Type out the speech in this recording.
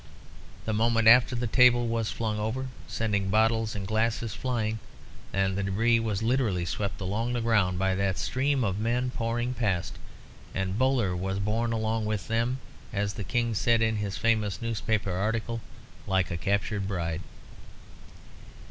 The moment after the table was flung over, sending bottles and glasses flying, and the débris was literally swept along the ground by that stream of men pouring past, and Bowler was borne along with them, as the King said in his famous newspaper article, "like a captured bride."